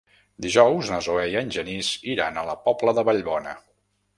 Dijous na Zoè i en Genís iran a la Pobla de Vallbona.